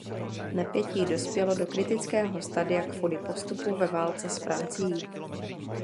Napětí dospělo do kritického stadia kvůli postupu ve válce s Francií.